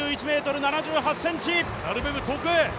なるべく遠くへ！